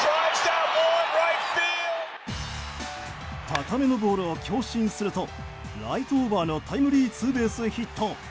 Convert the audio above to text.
高めのボールを強振するとライトオーバーのタイムリーツーベースヒット。